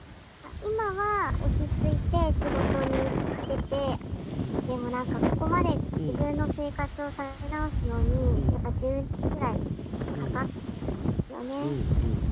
今は落ち着いて仕事に行っててでも何かここまで自分の生活を立て直すのにやっぱ１０年ぐらいかかったんですよね。